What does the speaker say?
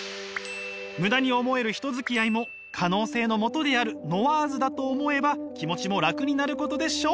ムダに思える人付き合いも可能性のもとであるノワーズだと思えば気持ちも楽になることでしょう！